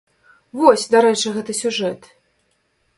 Вось, дарэчы, гэты сюжэт.